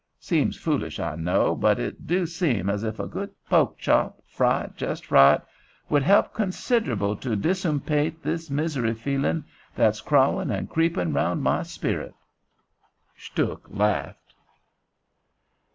Seems foolish, I know, but it do' seem as if a good po'k chop, fried jes right, would he'p consid'able to disumpate this misery feelin' that's crawlin' and creepin' round my sperit." Stuhk laughed.